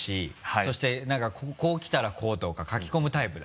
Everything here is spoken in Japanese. そしてこう来たらこうとか書き込むタイプだ。